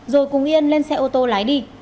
rồi cùng yên lên xe ô tô lái đi